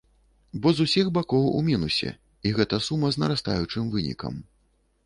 Бо з усіх бакоў у мінусе, і гэта сума з нарастаючым вынікам.